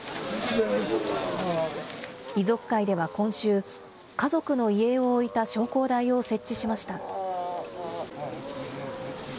遺族会では今週、家族の遺影を置いた焼香台を設置しました。